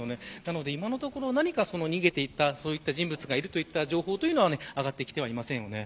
なので、今のところ逃げていった人物がいるといった情報は上がってきてはいません。